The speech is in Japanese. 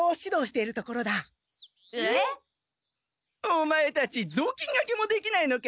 オマエたちぞうきんがけもできないのか。